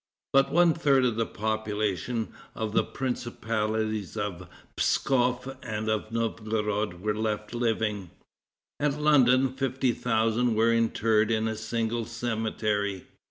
But one third of the population of the principalities of Pskof and of Novgorod were left living. At London fifty thousand were interred in a single cemetery.